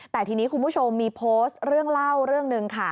แต่ทีนี้คุณผู้ชมมีโพสต์เรื่องเล่าเรื่องหนึ่งค่ะ